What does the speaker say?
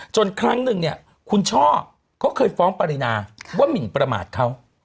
ครั้งหนึ่งเนี่ยคุณช่อเขาเคยฟ้องปรินาว่าหมินประมาทเขา